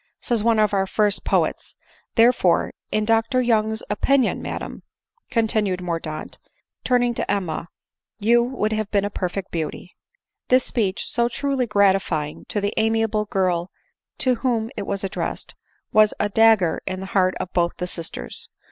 * says one of our first poets : therefore, in Dr. Young's opinion, madam," continued Mordaunt, turning to Emma, " you would have been a perfect beauty." This speech, so truly gratifying to the amiable girl to whom it was addressed, was a dagger in the heart of both the sisters.